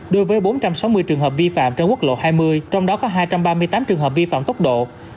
đối với bốn trăm sáu mươi trường hợp vi phạm trên quốc lộ hai mươi trong đó có hai trăm ba mươi tám trường hợp vi phạm tốc độ